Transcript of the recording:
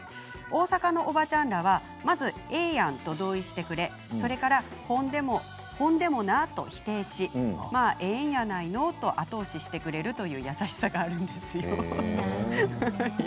大阪のおばちゃんらはまず、ええやんと同意してくれそれでほんでも、と否定しええんやないの？と後押ししてくれる優しさがあるんですよ。